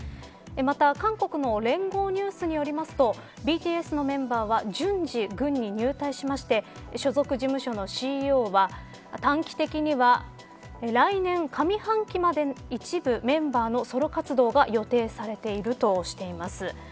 また、韓国の聯合ニュースによりますとＢＴＳのメンバーは順次、軍に入隊しまして所属事務所のＣＥＯは短期的には、来年上半期まで一部メンバーのソロ活動が予定されているとしています。